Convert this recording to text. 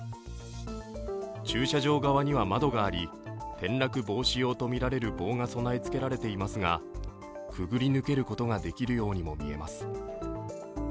駐車場側には窓があり、転落防止用とみられる棒が備え付けられていますがくぐり抜けることができるようにも見えます。